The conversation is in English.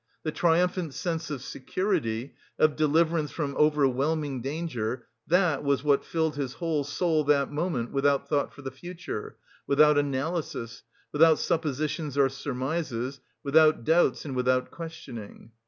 The triumphant sense of security, of deliverance from overwhelming danger, that was what filled his whole soul that moment without thought for the future, without analysis, without suppositions or surmises, without doubts and without questioning.